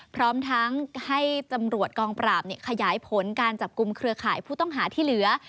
พร้อมทั้งให้ตำรวจกองปราบขยายผลการจับกลุ่มเครือข่ายผู้ต้องหาที่เหลือ